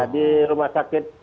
di rumah sakit